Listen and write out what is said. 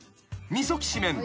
みそきしめん。